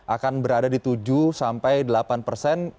akan berada di tujuh sampai delapan persen